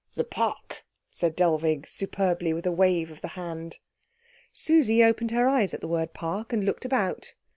"The park," said Dellwig superbly, with a wave of the hand. Susie opened her eyes at the word park, and looked about.